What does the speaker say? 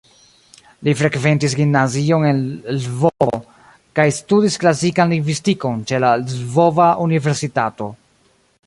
Li frekventis gimnazion en Lvovo kaj studis klasikan lingvistikon ĉe la Lvova Universitato.